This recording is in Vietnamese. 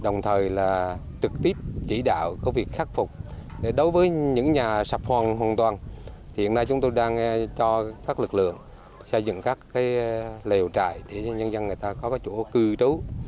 ngoài ra chúng tôi đang cho các lực lượng xây dựng các lều trại để cho nhân dân có chỗ cư trú